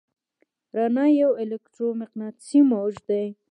رڼا یو الکترومقناطیسي موج دی.